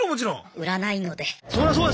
売らないので。